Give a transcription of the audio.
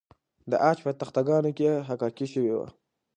د عاج په تخته ګانو کې حکاکي شوې وه